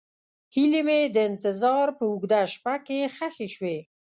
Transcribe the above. هیلې مې د انتظار په اوږده شپه کې ښخې شوې.